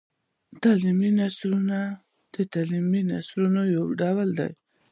تعلیمي نثر د نثر یو ډول دﺉ.